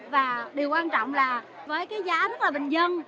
và điều quan trọng là với cái giá rất là bình dân